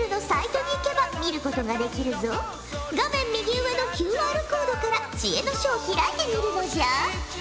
画面右上のＱＲコードから知恵の書を開いてみるのじゃ。